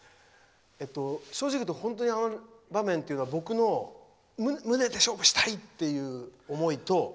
正直言うと本当にあの場面というのは僕の、ムネで勝負したい！という思いと。